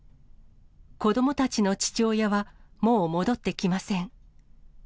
子どもたちの父親は、もう戻ってきません。